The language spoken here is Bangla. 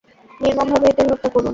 নির্মমভাবে এদের হত্যা করুন।